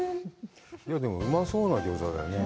でも、うまそうな餃子だよね。